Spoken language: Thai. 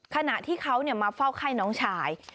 ขณะที่เขามาเฝ้าไข้น้องชาย